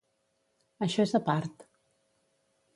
Això és a part.